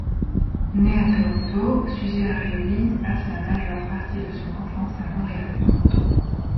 Née à Toronto, Susie Arioli passe la majeure partie de son enfance à Montréal.